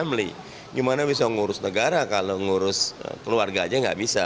bagaimana bisa mengurus negara kalau mengurus keluarga saja tidak bisa